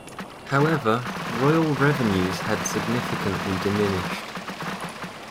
However, royal revenues had significantly diminished.